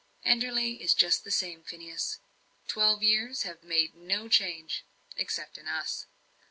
"Enderley is just the same, Phineas. Twelve years have made no change except in us."